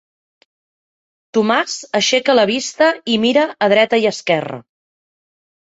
Tomàs aixeca la vista i mira a dreta i esquerra.